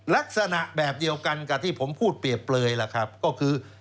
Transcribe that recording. ลักษณะแบบเดียวกันกับที่ผมพูดเปรียบเปลยล่ะครับก็คือ